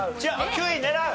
９位狙う！